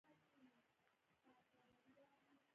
نن راسه چي بانډار وکو.